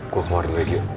gue keluar dulu gio